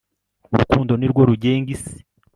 Urukundo nirwo rugenga isi